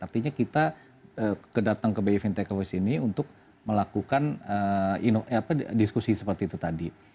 artinya kita kedatang ke bfi fintech awards ini untuk melakukan diskusi seperti itu tadi